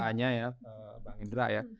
hanya ya bang indra ya